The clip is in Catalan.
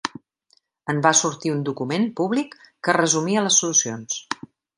En va sortir un document públic que resumia les solucions.